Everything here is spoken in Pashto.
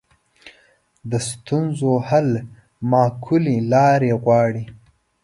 د ستونزو حل معقولې لارې غواړي